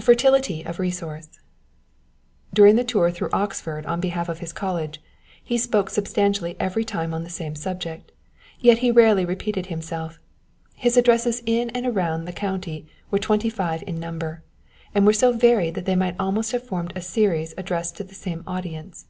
FERTILITY OF RESOURCE. During the tour through Oxford on behalf of his college, though he spoke substantially every time on the same subject, yet he rarely repeated himself; his addresses in and around the county were twenty five in number, and were so varied that they might almost have formed a series addressed to the same audience.